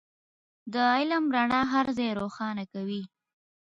د علم رڼا هر ځای روښانه کوي.